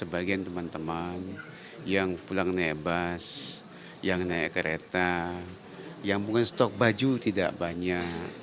sebagian teman teman yang pulang naik bus yang naik kereta yang mungkin stok baju tidak banyak